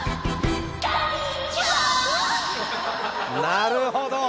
なるほど。